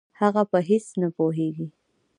هغه په هېڅ نه پوهېږي.